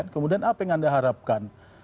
kemudian apa yang anda harapkan